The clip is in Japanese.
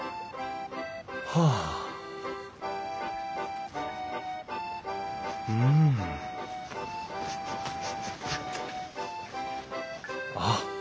はあうんあっ